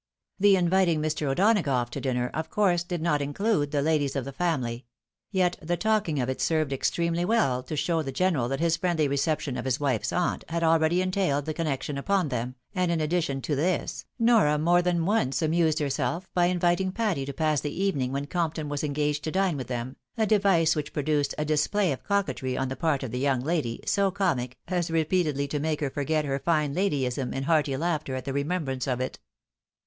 The inviting Mr. O'Donagough to dinner, of course did not include the ladies of the family ; yet the talking of it served extremely well to show the general that his friendly reception of his wife's aunt had already entaUed the connection upon them, and in addition to this, Nora more than once amused herself by' inviting Patty to pass the evening when Compton was engaged to dine with 190 THE •WIDOW MAHEIED. them, a device ■which produced a display of coquetry on the part of the young lady, so comic, as repeatedly to make her forget her fine ladyism in hearty laughter at the remembrance of it.